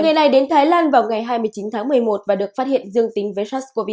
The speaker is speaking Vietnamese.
người này đến thái lan vào ngày hai mươi chín tháng một mươi một và được phát hiện dương tính với sars cov hai